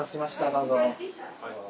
どうぞ。